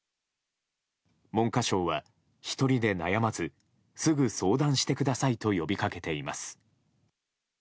文科省は、１人で悩まずすぐ相談してくださいと呼びかけています。